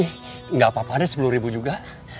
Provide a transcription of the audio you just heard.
ini gak apa apanya rp sepuluh juga